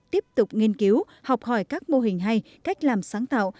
tiếp tục nghiên cứu học hỏi các mô hình hay cách làm sáng tạo